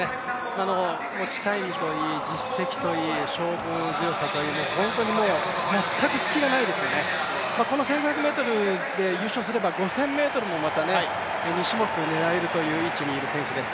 持ちタイムといい実績といい、勝負強さといい、本当に全く隙がないですよね、この１５００ｍで優勝すれば、５０００ｍも、２種目も狙えるという選手です。